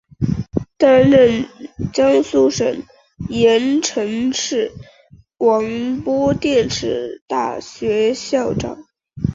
担任江苏省盐城市广播电视大学校长。